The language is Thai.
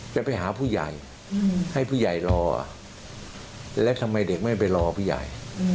จะไปหาผู้ใหญ่ให้ผู้ใหญ่รอแล้วทำไมเด็กไม่ไปรอผู้ใหญ่